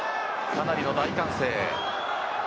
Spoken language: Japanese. かなりの大歓声です。